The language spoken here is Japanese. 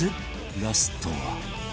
ラストは